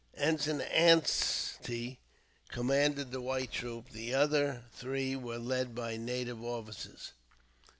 Ensign Anstey commanded the white troop, the other three were led by native officers.